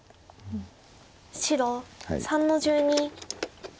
白３の十二。